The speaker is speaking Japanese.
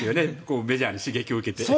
メジャーに刺激を受けて。